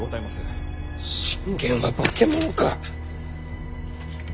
信玄は化け物か！